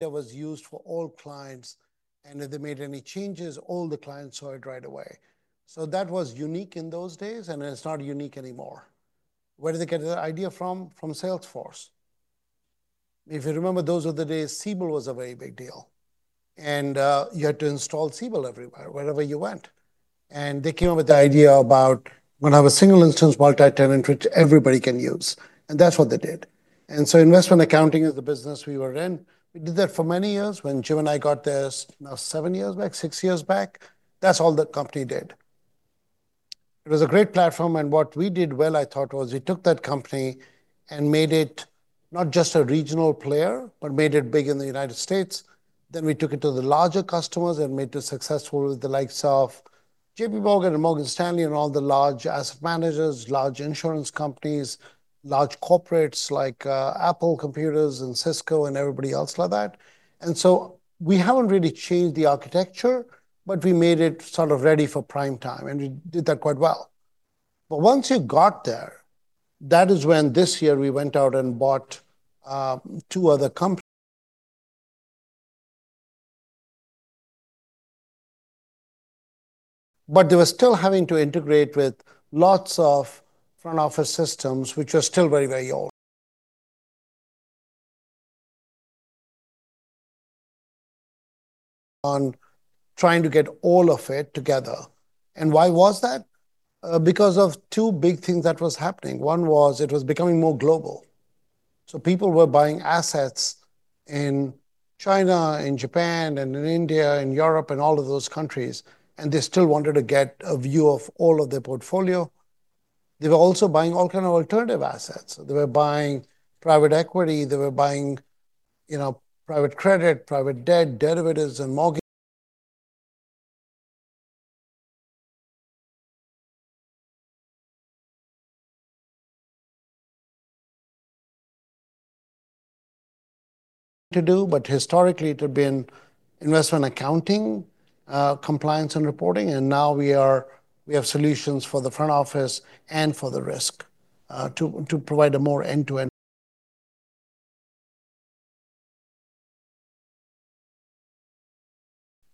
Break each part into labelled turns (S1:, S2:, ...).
S1: That was used for all clients. And if they made any changes, all the clients saw it right away. So that was unique in those days, and it's not unique anymore. Where did they get the idea from? From Salesforce. If you remember, those were the days Siebel was a very big deal. And you had to install Siebel everywhere, wherever you went. And they came up with the idea about, "We're going to have a single instance multi-tenant, which everybody can use." And that's what they did. And so investment accounting is the business we were in. We did that for many years when Jim and I got this, now seven years back, six years back. That's all the company did. It was a great platform. What we did well, I thought, was we took that company and made it not just a regional player, but made it big in the United States. Then we took it to the larger customers and made it successful with the likes of J.P. Morgan and Morgan Stanley and all the large asset managers, large insurance companies, large corporates like Apple Computers and Cisco and everybody else like that. And so we haven't really changed the architecture, but we made it sort of ready for prime time. And we did that quite well. But once you got there, that is when this year we went out and bought two other companies. But they were still having to integrate with lots of front office systems, which were still very, very old. And trying to get all of it together. And why was that? Because of two big things that were happening. One was, it was becoming more global, so people were buying assets in China, in Japan, and in India, in Europe, and all of those countries. They still wanted to get a view of all of their portfolio. They were also buying all kinds of alternative assets. They were buying private equity. They were buying private credit, private debt, derivatives, and mortgages too. But historically, it had been investment accounting, compliance, and reporting, and now we have solutions for the front office and for the risk to provide a more end-to-end.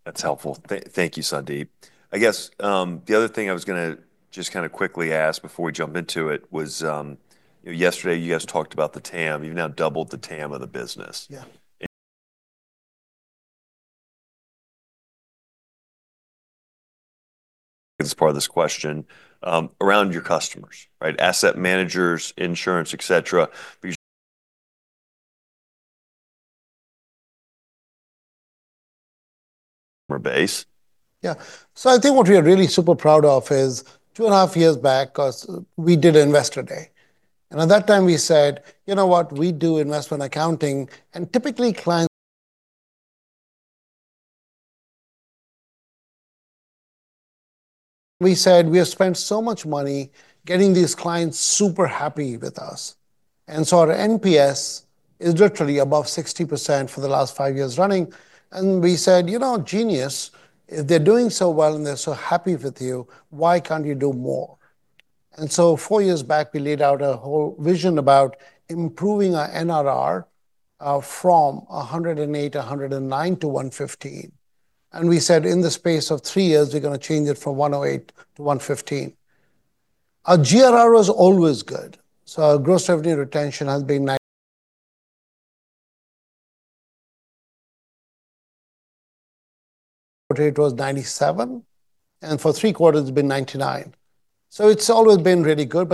S1: That's helpful. Thank you, Sandeep. I guess the other thing I was going to just kind of quickly ask before we jump into it was, yesterday, you guys talked about the TAM. You've now doubled the TAM of the business. Yeah. As part of this question around your customers, right? Asset managers, insurance, etc. Yeah. So I think what we are really super proud of is two and a half years back, we did Investor Day. And at that time, we said, "You know what? We do investment accounting." And typically, clients —we said, "We have spent so much money getting these clients super happy with us." And so our NPS is literally above 60% for the last five years running. And we said, "You know, genius. If they're doing so well and they're so happy with you, why can't you do more?" And so four years back, we laid out a whole vision about improving our NRR from 108%-109% to 115%. And we said, "In the space of three years, we're going to change it from 108% to 115%." Our GRR was always good. So our gross revenue retention has been —was 97%. And for three quarters, it's been 99%. So it's always been really good.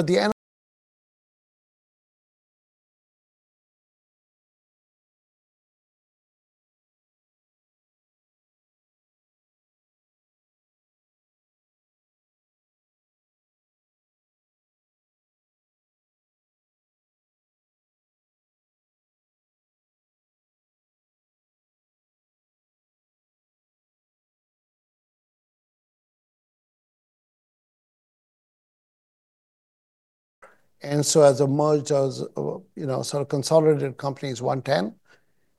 S1: But the —and so as a merger, sort of consolidated companies, 110%.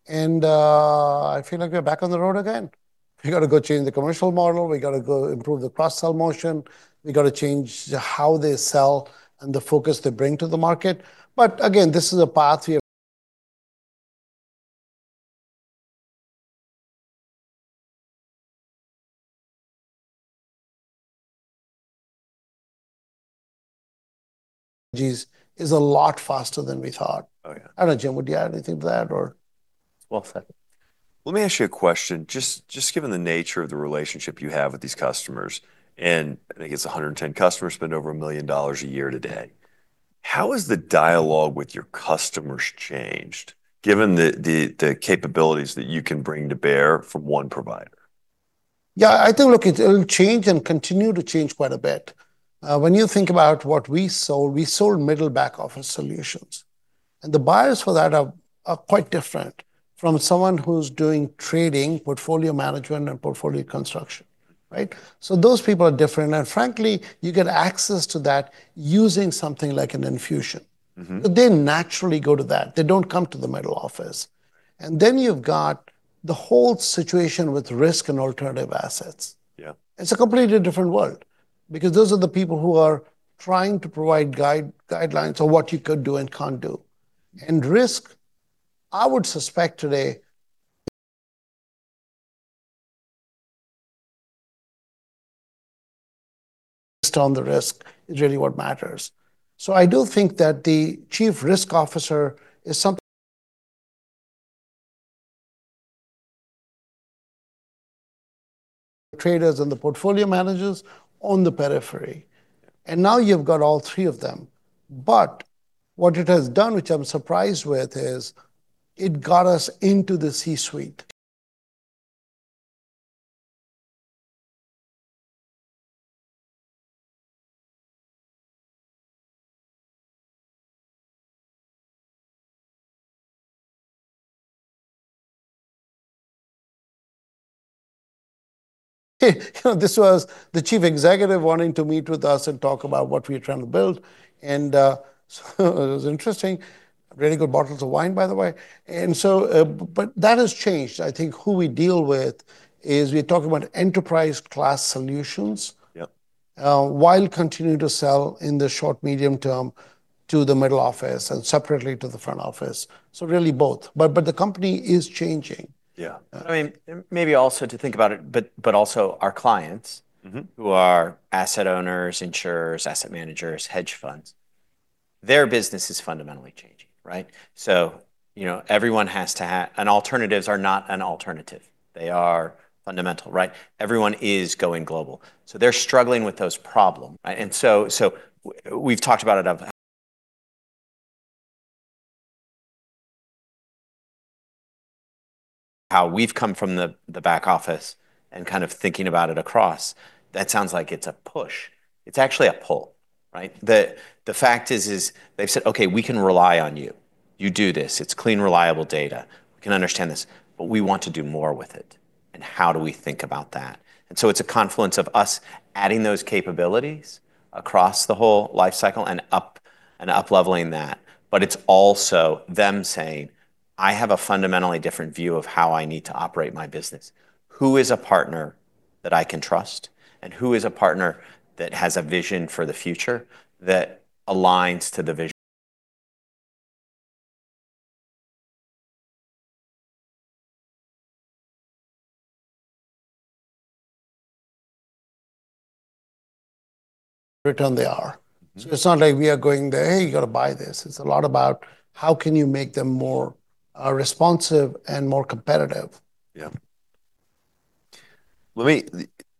S1: And I feel like we're back on the road again. We got to go change the commercial model. We got to go improve the cross-sell motion. We got to change how they sell and the focus they bring to the market. But again, this is a path we —is a lot faster than we thought. I don't know, Jim, would you add anything to that, or?
S2: Well said. Let me ask you a question. Just given the nature of the relationship you have with these customers, and I think it's 110 customers spend over $1 million a year today. How has the dialogue with your customers changed, given the capabilities that you can bring to bear from one provider?
S1: Yeah, I think, look, it'll change and continue to change quite a bit. When you think about what we sold, we sold middle-back office solutions, and the buyers for that are quite different from someone who's doing trading, portfolio management, and portfolio construction, right? So those people are different, and frankly, you get access to that using something like an Enfusion. They naturally go to that. They don't come to the middle office, and then you've got the whole situation with risk and alternative assets. It's a completely different world because those are the people who are trying to provide guidelines on what you could do and can't do. And risk, I would suspect today based on the risk, is really what matters. So I do think that the chief risk officer is something, traders and the portfolio managers on the periphery. And now you've got all three of them. But what it has done, which I'm surprised with, is it got us into the C-suite. This was the Chief Executive wanting to meet with us and talk about what we're trying to build. And so it was interesting. Really good bottles of wine, by the way. And so, but that has changed. I think who we deal with is we talk about enterprise-class solutions while continuing to sell in the short, medium term to the middle office and separately to the front office. So really both. But the company is changing.
S2: Yeah. I mean, maybe also to think about it, but also our clients who are asset owners, insurers, asset managers, hedge funds, their business is fundamentally changing, right? So everyone has to have, and alternatives are not an alternative. They are fundamental, right? Everyone is going global. So they're struggling with those problems, right? And so we've talked about it. How we've come from the back office and kind of thinking about it across, that sounds like it's a push. It's actually a pull, right? The fact is, they've said, "Okay, we can rely on you. You do this. It's clean, reliable data. We can understand this. But we want to do more with it. And how do we think about that?" And so it's a confluence of us adding those capabilities across the whole lifecycle and up-leveling that. But it's also them saying, "I have a fundamentally different view of how I need to operate my business. Who is a partner that I can trust? And who is a partner that has a vision for the future that aligns to the vision?
S1: Right on the hour. So it's not like we are going there, "Hey, you got to buy this." It's a lot about how can you make them more responsive and more competitive. Yeah.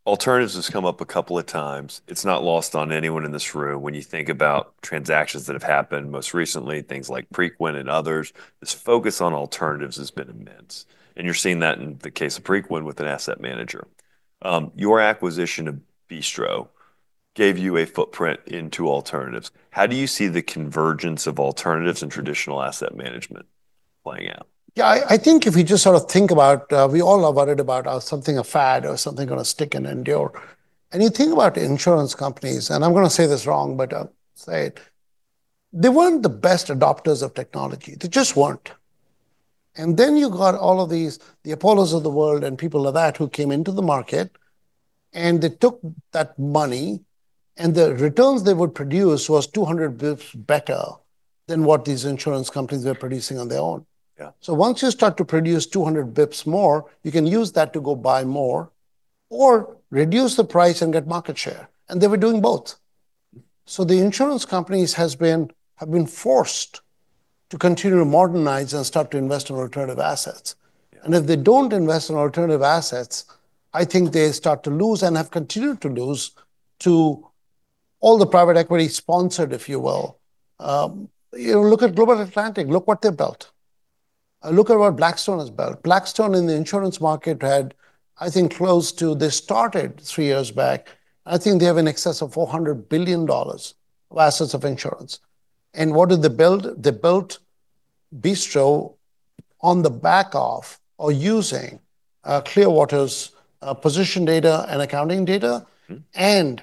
S1: Alternatives has come up a couple of times. It's not lost on anyone in this room when you think about transactions that have happened most recently, things like Preqin and others. This focus on alternatives has been immense, and you're seeing that in the case of Preqin with an asset manager. Your acquisition of Bistro gave you a footprint into alternatives. How do you see the convergence of alternatives and traditional asset management playing out? Yeah, I think if we just sort of think about, we all are worried about something a fad or something going to stick and endure, and you think about insurance companies, and I'm going to say this wrong, but I'll say it. They weren't the best adopters of technology. They just weren't, and then you got all of these, the Apollos of the world and people like that who came into the market, and they took that money, and the returns they would produce were 200 basis points better than what these insurance companies were producing on their own, so once you start to produce 200 basis points more, you can use that to go buy more or reduce the price and get market share, and they were doing both, so the insurance companies have been forced to continue to modernize and start to invest in alternative assets. If they don't invest in alternative assets, I think they start to lose and have continued to lose to all the private equity sponsored, if you will. Look at Global Atlantic. Look what they've built. Look at what Blackstone has built. Blackstone in the insurance market had, I think, close to. They started three years back. I think they have in excess of $400 billion of assets of insurance. What did they build? They built Bistro on the back of or using Clearwater's position data and accounting data and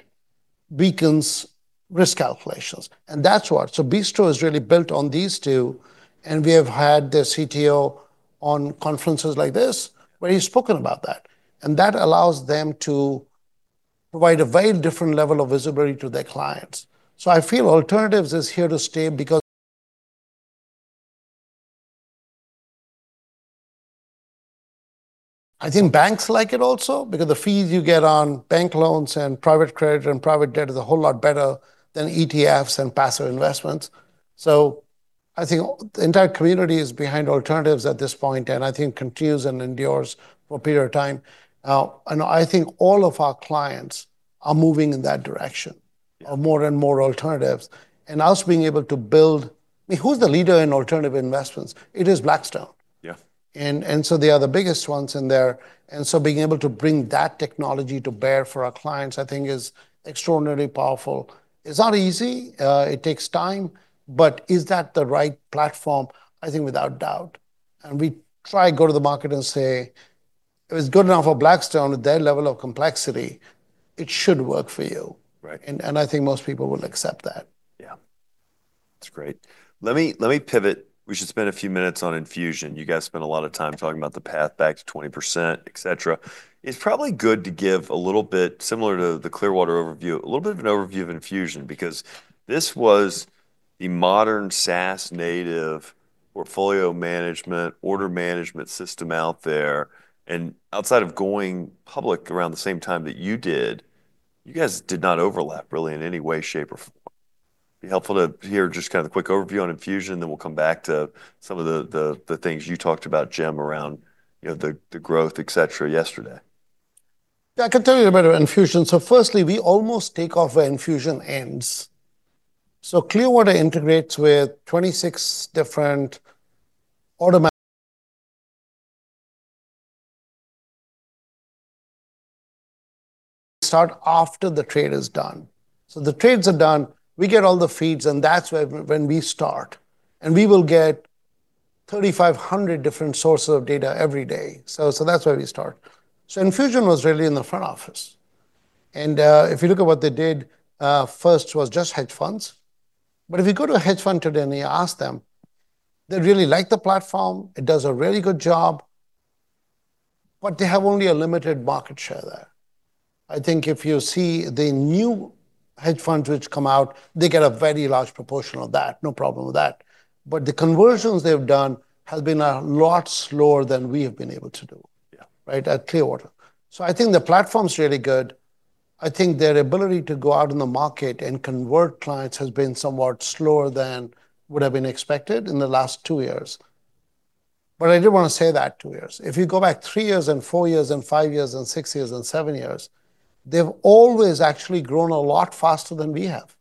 S1: Beacon's risk calculations. That's what Bistro is really built on these two. We have had their CTO on conferences like this where he's spoken about that. That allows them to provide a very different level of visibility to their clients. So I feel alternatives is here to stay because. I think banks like it also because the fees you get on bank loans and private credit and private debt is a whole lot better than ETFs and passive investments. So I think the entire community is behind alternatives at this point, and I think continues and endures for a period of time. And I think all of our clients are moving in that direction of more and more alternatives. And us being able to build - I mean, who's the leader in alternative investments? It is Blackstone. And so they are the biggest ones in there. And so being able to bring that technology to bear for our clients, I think, is extraordinarily powerful. It's not easy. It takes time. But is that the right platform? I think without doubt. We try to go to the market and say, "If it's good enough for Blackstone at their level of complexity, it should work for you." And I think most people will accept that. Yeah. That's great. Let me pivot. We should spend a few minutes on Enfusion. You guys spent a lot of time talking about the path back to 20%, etc. It's probably good to give a little bit similar to the Clearwater overview, a little bit of an overview of Enfusion because this was the modern SaaS-native portfolio management, order management system out there, and outside of going public around the same time that you did, you guys did not overlap really in any way, shape, or form. It'd be helpful to hear just kind of a quick overview on Enfusion, then we'll come back to some of the things you talked about, Jim, around the growth, etc., yesterday. Yeah, I can tell you a bit about Enfusion. So firstly, we almost take off where Enfusion ends. So Clearwater integrates with 26 different automatic starts after the trade is done. So the trades are done. We get all the feeds, and that's when we start. And we will get 3,500 different sources of data every day. So that's where we start. So Enfusion was really in the front office. And if you look at what they did, first was just hedge funds. But if you go to a hedge fund today and you ask them, they really like the platform. It does a really good job. But they have only a limited market share there. I think if you see the new hedge funds which come out, they get a very large proportion of that, no problem with that. But the conversions they've done have been a lot slower than we have been able to do, right, at Clearwater. So I think the platform's really good. I think their ability to go out in the market and convert clients has been somewhat slower than would have been expected in the last two years. But I didn't want to say that two years. If you go back three years and four years and five years and six years and seven years, they've always actually grown a lot faster than we have.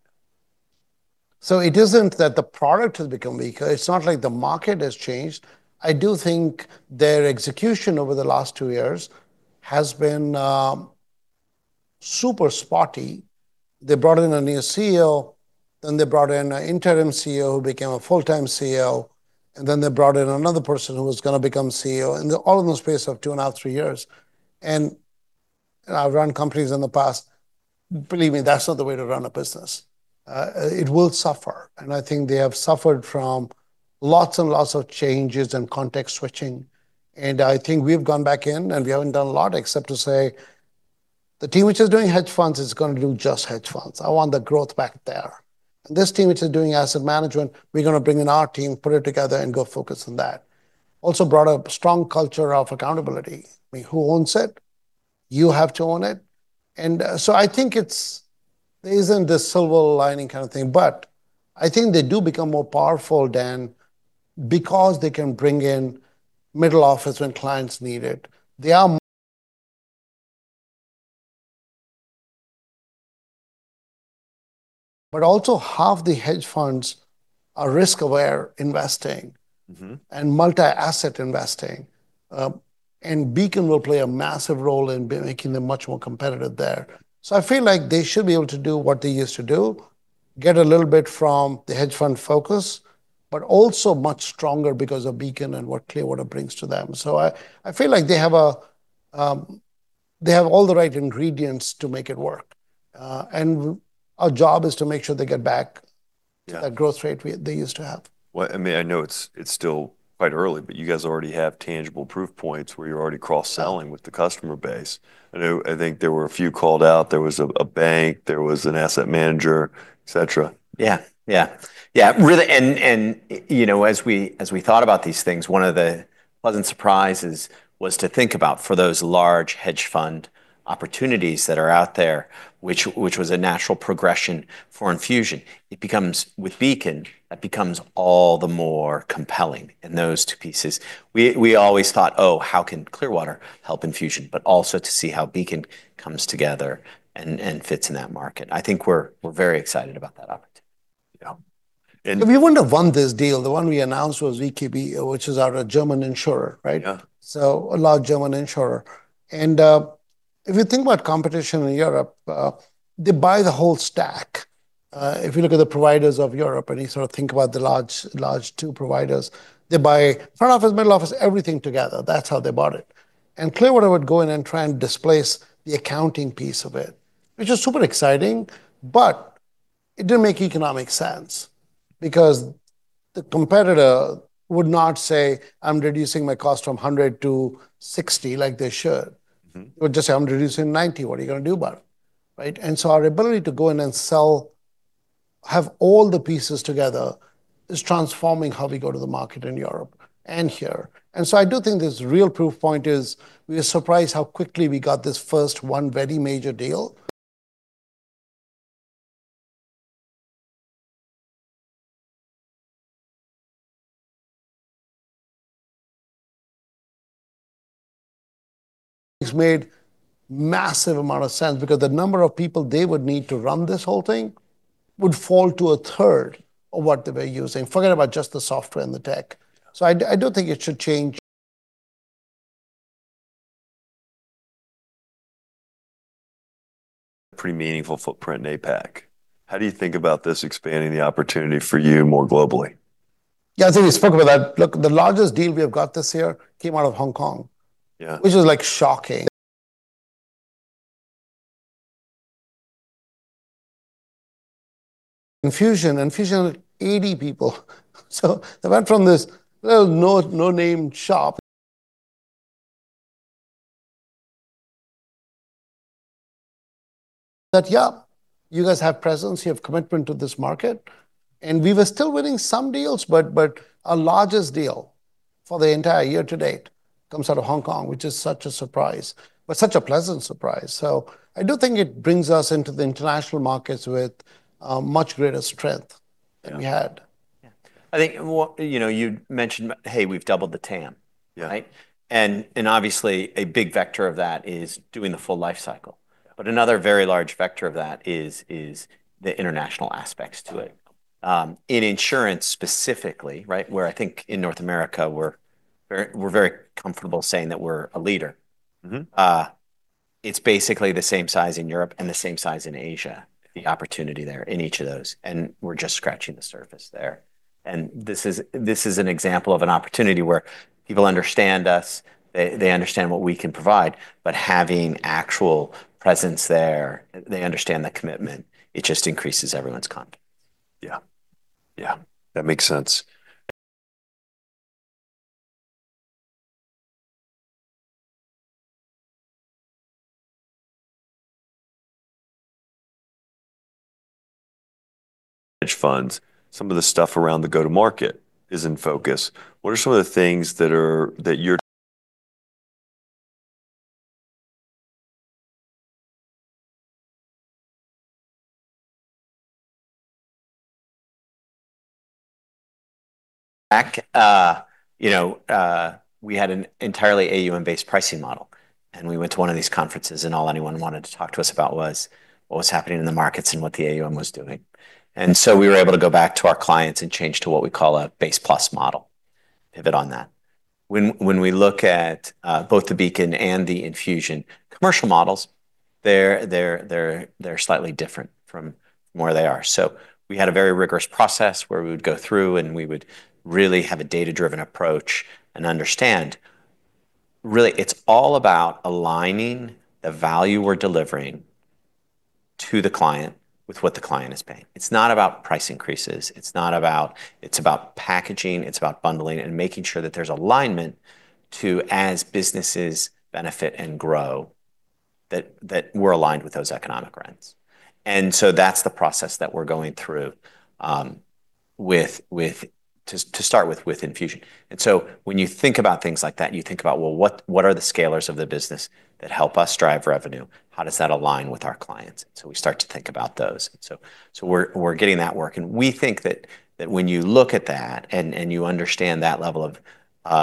S1: So it isn't that the product has become weaker. It's not like the market has changed. I do think their execution over the last two years has been super spotty. They brought in a new CEO, then they brought in an interim CEO who became a full-time CEO, and then they brought in another person who was going to become CEO in all in the space of two and a half, three years, and I've run companies in the past. Believe me, that's not the way to run a business. It will suffer, and I think they have suffered from lots and lots of changes and context switching, and I think we've gone back in, and we haven't done a lot except to say, "The team which is doing hedge funds is going to do just hedge funds. I want the growth back there," and this team which is doing asset management, we're going to bring in our team, put it together, and go focus on that. Also brought a strong culture of accountability. I mean, who owns it? You have to own it, and so I think it's that there isn't this silver lining kind of thing, but I think they do become more powerful then because they can bring in middle office when clients need it. They are, but also half the hedge funds are risk-aware investing and multi-asset investing, and Beacon will play a massive role in making them much more competitive there, so I feel like they should be able to do what they used to do, get a little bit from the hedge fund focus, but also much stronger because of Beacon and what Clearwater brings to them, so I feel like they have all the right ingredients to make it work, and our job is to make sure they get back that growth rate they used to have. I mean, I know it's still quite early, but you guys already have tangible proof points where you're already cross-selling with the customer base. I think there were a few called out. There was a bank. There was an asset manager, etc.
S2: Yeah, yeah. Yeah. And you know, as we thought about these things, one of the pleasant surprises was to think about for those large hedge fund opportunities that are out there, which was a natural progression for Enfusion. It becomes with Beacon, that becomes all the more compelling in those two pieces. We always thought, "Oh, how can Clearwater help Enfusion?" But also to see how Beacon comes together and fits in that market. I think we're very excited about that opportunity.
S1: If you want to fund this deal, the one we announced was VKB, which is our German insurer, right? So a large German insurer. And if you think about competition in Europe, they buy the whole stack. If you look at the providers of Europe, and you sort of think about the large two providers, they buy front office, middle office, everything together. That's how they bought it. And Clearwater would go in and try and displace the accounting piece of it, which is super exciting, but it didn't make economic sense because the competitor would not say, "I'm reducing my cost from 100 to 60," like they should. They would just say, "I'm reducing 90. What are you going to do about it?" Right? And so our ability to go in and sell, have all the pieces together, is transforming how we go to the market in Europe and here. And so I do think this real proof point is we are surprised how quickly we got this first one very major deal. It's made massive amount of sense because the number of people they would need to run this whole thing would fall to a third of what they were using. Forget about just the software and the tech. So I don't think it should change. A pretty meaningful footprint in APAC. How do you think about this expanding the opportunity for you more globally? Yeah, I think we spoke about that. Look, the largest deal we have got this year came out of Hong Kong, which was like shocking. Enfusion, Enfusion 80 people. So they went from this little no-name shop. That, yeah, you guys have presence, you have commitment to this market. And we were still winning some deals, but our largest deal for the entire year-to-date comes out of Hong Kong, which is such a surprise, but such a pleasant surprise. So I do think it brings us into the international markets with much greater strength than we had.
S2: I think you mentioned, "Hey, we've doubled the TAM," right? And obviously, a big vector of that is doing the full life cycle. But another very large vector of that is the international aspects to it. In insurance specifically, right, where I think in North America, we're very comfortable saying that we're a leader. It's basically the same size in Europe and the same size in Asia, the opportunity there in each of those. And we're just scratching the surface there. And this is an example of an opportunity where people understand us. They understand what we can provide. But having actual presence there, they understand the commitment. It just increases everyone's confidence. Yeah. Yeah. That makes sense. Hedge funds, some of the stuff around the go-to-market is in focus. What are some of the things that you're? You know, we had an entirely AUM-based pricing model, and we went to one of these conferences, and all anyone wanted to talk to us about was what was happening in the markets and what the AUM was doing, and so we were able to go back to our clients and change to what we call a base-plus model, pivot on that. When we look at both the Beacon and the Enfusion commercial models, they're slightly different from where they are, so we had a very rigorous process where we would go through, and we would really have a data-driven approach and understand. Really, it's all about aligning the value we're delivering to the client with what the client is paying. It's not about price increases. It's about packaging. It's about bundling and making sure that there's alignment to, as businesses benefit and grow, that we're aligned with those economic rents. And so that's the process that we're going through to start with with Enfusion. And so when you think about things like that, you think about, well, what are the scalars of the business that help us drive revenue? How does that align with our clients? And so we start to think about those. So we're getting that work. And we think that when you look at that and you understand that level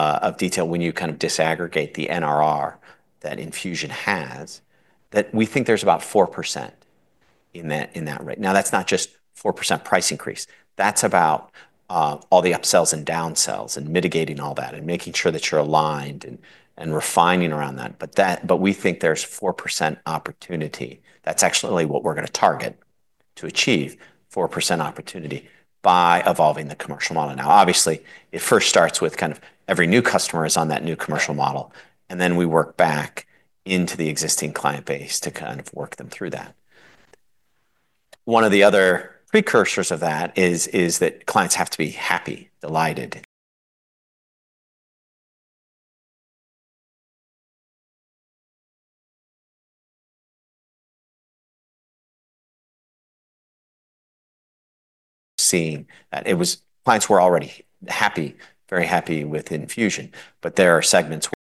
S2: of detail, when you kind of disaggregate the NRR that Enfusion has, that we think there's about 4% in that rate. Now, that's not just 4% price increase. That's about all the upsells and downsells and mitigating all that and making sure that you're aligned and refining around that. But we think there's 4% opportunity. That's actually what we're going to target to achieve, 4% opportunity by evolving the commercial model. Now, obviously, it first starts with kind of every new customer is on that new commercial model. And then we work back into the existing client base to kind of work them through that. One of the other precursors of that is that clients have to be happy, delighted. Seeing that clients were already happy, very happy with Enfusion. But there are segments where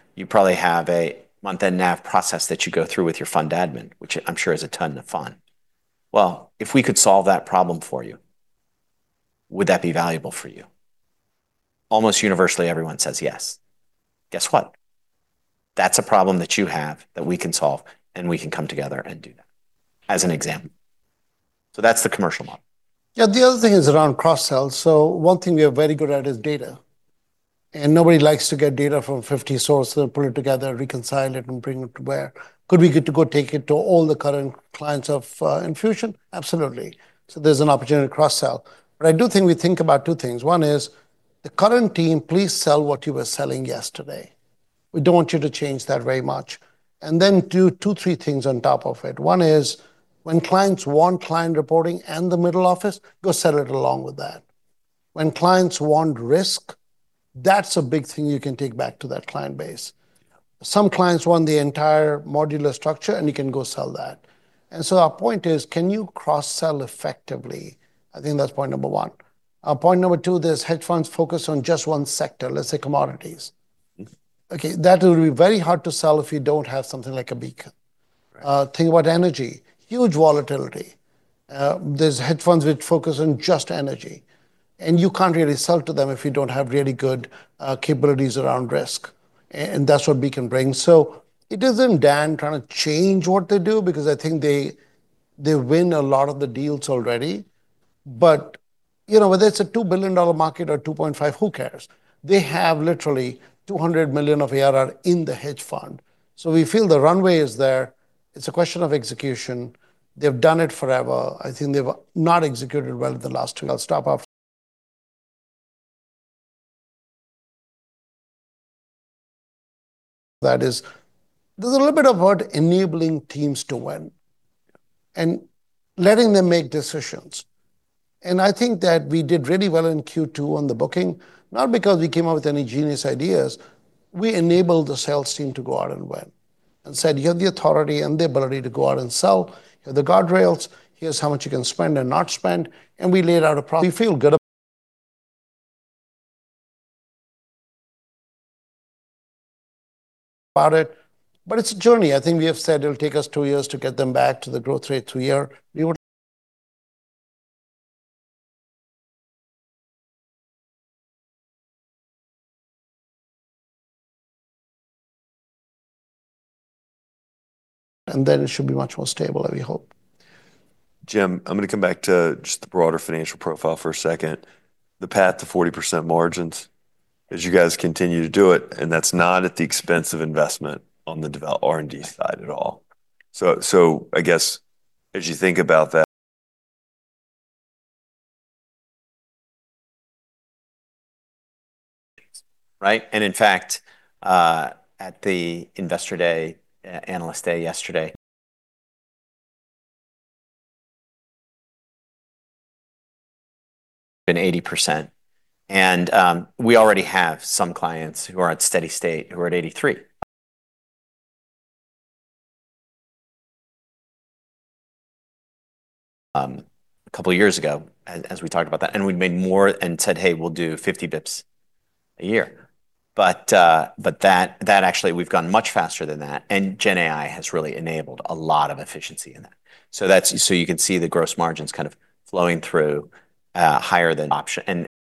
S2: you probably have a month-and-a-half process that you go through with your fund admin, which I'm sure is a ton of fun. Well, if we could solve that problem for you, would that be valuable for you? Almost universally, everyone says yes. Guess what? That's a problem that you have that we can solve, and we can come together and do that, as an example. So that's the commercial model.
S1: Yeah, the other thing is around cross-sell. So one thing we are very good at is data. And nobody likes to get data from 50 sources and put it together, reconcile it, and bring it to where. Could we get to go take it to all the current clients of Enfusion? Absolutely. So there's an opportunity to cross-sell. But I do think we think about two things. One is the current team, please sell what you were selling yesterday. We don't want you to change that very much. And then do two, three things on top of it. One is when clients want client reporting and the middle office, go sell it along with that. When clients want risk, that's a big thing you can take back to that client base. Some clients want the entire modular structure, and you can go sell that. And so our point is, can you cross-sell effectively? I think that's point number one. Point number two, there's hedge funds focused on just one sector, let's say commodities. Okay, that will be very hard to sell if you don't have something like a Beacon. Think about energy. Huge volatility. There's hedge funds which focus on just energy. And you can't really sell to them if you don't have really good capabilities around risk. And that's what Beacon brings. So it isn't Dan trying to change what they do because I think they win a lot of the deals already. But whether it's a $2 billion market or $2.5 billion, who cares? They have literally $200 million of ARR in the hedge fund. So we feel the runway is there. It's a question of execution. They've done it forever. I think they've not executed well in the last. I'll stop That is, there's a little bit of work enabling teams to win and letting them make decisions. And I think that we did really well in Q2 on the booking, not because we came up with any genius ideas. We enabled the sales team to go out and win and said, "You have the authority and the ability to go out and sell. You have the guardrails. Here's how much you can spend and not spend." And we laid out a plan. We feel good about it. But it's a journey. I think we have said it'll take us two years to get them back to the growth rate through the year. And then it should be much more stable, we hope. Jim, I'm going to come back to just the broader financial profile for a second. The path to 40% margins as you guys continue to do it, and that's not at the expense of investment on the R&D side at all. So I guess as you think about that.
S2: Right? And in fact, at the Investor Day, Analyst Day yesterday, it's been 80%. And we already have some clients who are at steady state, who are at 83%. A couple of years ago, as we talked about that, and we made more and said, "Hey, we'll do 50 basis points a year." But that actually, we've gone much faster than that. And Gen AI has really enabled a lot of efficiency in that. So you can see the gross margins kind of flowing through higher than option.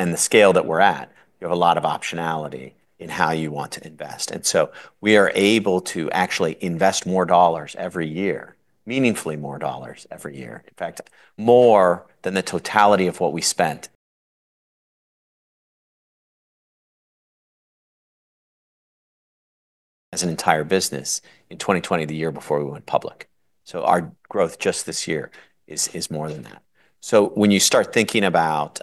S2: And the scale that we're at, you have a lot of optionality in how you want to invest. And so we are able to actually invest more dollars every year, meaningfully more dollars every year, in fact, more than the totality of what we spent as an entire business in 2020, the year before we went public. So our growth just this year is more than that. So when you start thinking about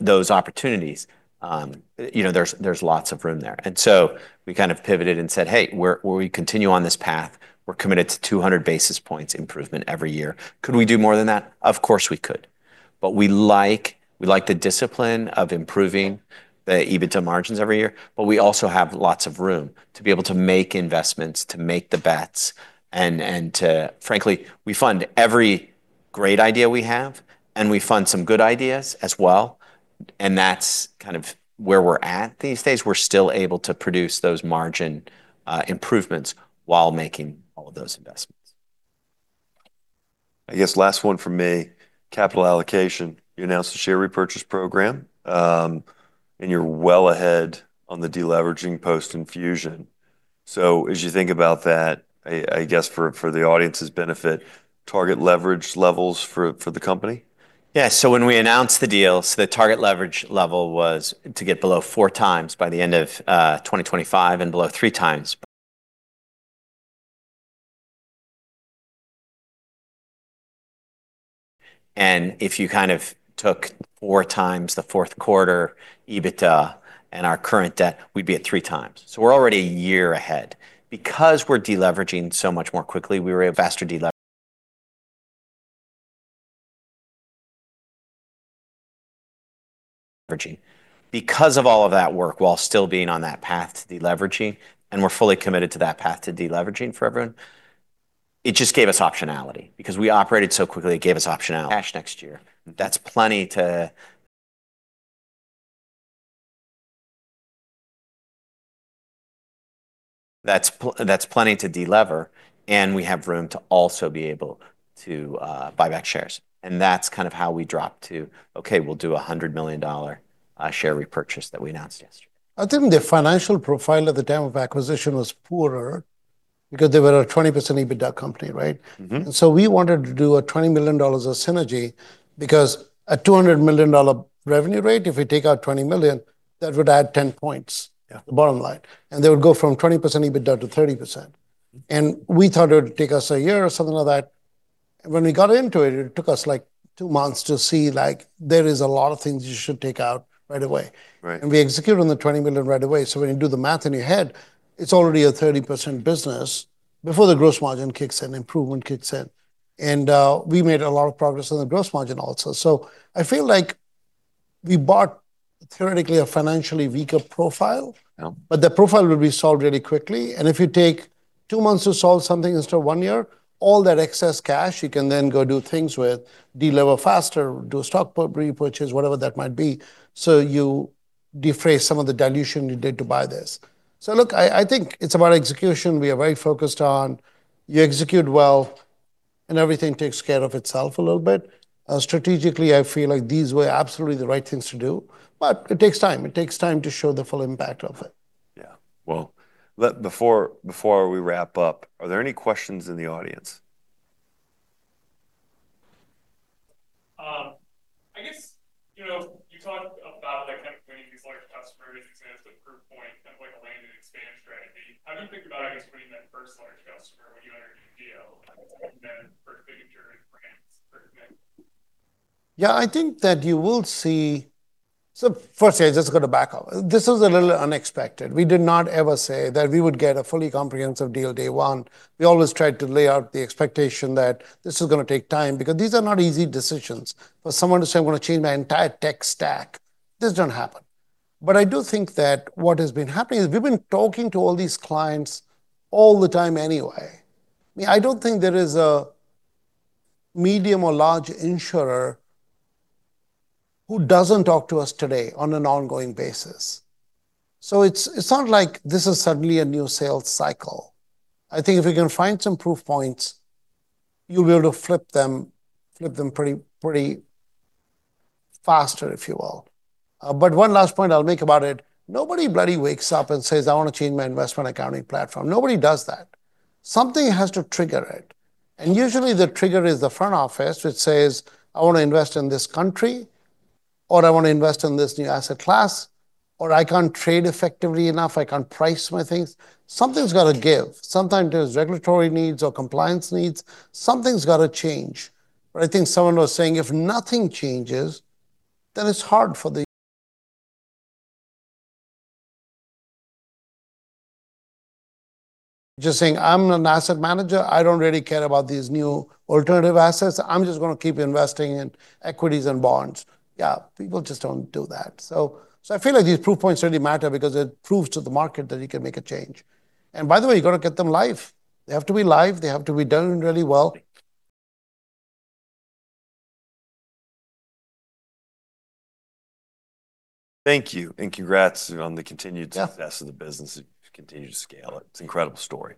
S2: those opportunities, there's lots of room there. And so we kind of pivoted and said, "Hey, we're going to continue on this path. We're committed to 200 basis points improvement every year. Could we do more than that? Of course we could. But we like the discipline of improving the EBITDA margins every year. But we also have lots of room to be able to make investments, to make the bets." And frankly, we fund every great idea we have, and we fund some good ideas as well. And that's kind of where we're at these days. We're still able to produce those margin improvements while making all of those investments. I guess last one for me, capital allocation. You announced a share repurchase program, and you're well ahead on the deleveraging post-Enfusion. So as you think about that, I guess for the audience's benefit, target leverage levels for the company? Yeah. So when we announced the deals, the target leverage level was to get below four times by the end of 2025 and below three times. And if you kind of took four times the fourth quarter EBITDA and our current debt, we'd be at three times. So we're already a year ahead. Because we're deleveraging so much more quickly, we were able to faster deleveraging. Because of all of that work while still being on that path to deleveraging, and we're fully committed to that path to deleveraging for everyone, it just gave us optionality. Because we operated so quickly, it gave us optionality cash next year. That's plenty to delever, and we have room to also be able to buy back shares. And that's kind of how we dropped to, "Okay, we'll do a $100 million share repurchase that we announced yesterday.
S1: I think the financial profile at the time of acquisition was poorer because they were a 20% EBITDA company, right? And so we wanted to do $20 million of synergy because a $200 million revenue rate, if we take out $20 million, that would add 10 points at the bottom line. And they would go from 20% EBITDA to 30%. And we thought it would take us a year or something like that. When we got into it, it took us like two months to see there is a lot of things you should take out right away. And we execute on the $20 million right away. So when you do the math in your head, it's already a 30% business before the gross margin kicks in, improvement kicks in. And we made a lot of progress on the gross margin also. I feel like we bought theoretically a financially weaker profile, but the profile will be solved really quickly. And if you take two months to solve something instead of one year, all that excess cash you can then go do things with, deliver faster, do stock repurchase, whatever that might be. So you defuse some of the dilution you did to buy this. So look, I think it's about execution. We are very focused on you execute well, and everything takes care of itself a little bit. Strategically, I feel like these were absolutely the right things to do. But it takes time. It takes time to show the full impact of it. Yeah. Well, before we wrap up, are there any questions in the audience? I guess you talked about kind of winning these large customers as the proof point, kind of like a land and expand strategy. How do you think about? Yeah, I think that you will see, so firstly, I just got to back up. This was a little unexpected. We did not ever say that we would get a fully comprehensive deal day one. We always tried to lay out the expectation that this is going to take time because these are not easy decisions. For someone to say, "I'm going to change my entire tech stack," this doesn't happen. But I do think that what has been happening is we've been talking to all these clients all the time anyway. I don't think there is a medium or large insurer who doesn't talk to us today on an ongoing basis. So it's not like this is suddenly a new sales cycle. I think if we can find some proof points, you'll be able to flip them pretty faster, if you will. But one last point I'll make about it. Nobody bloody wakes up and says, "I want to change my investment accounting platform." Nobody does that. Something has to trigger it. And usually the trigger is the front office, which says, "I want to invest in this country," or "I want to invest in this new asset class," or "I can't trade effectively enough. I can't price my things." Something's got to give. Sometimes there's regulatory needs or compliance needs. Something's got to change. But I think someone was saying, "If nothing changes, then it's hard for the just saying, 'I'm an asset manager. I don't really care about these new alternative assets. I'm just going to keep investing in equities and bonds.'" Yeah, people just don't do that. So I feel like these proof points really matter because it proves to the market that you can make a change. And by the way, you got to get them live. They have to be live. They have to be done really well. Thank you, and congrats on the continued success of the business. You've continued to scale it. It's an incredible story.